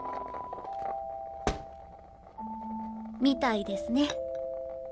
みたいですね。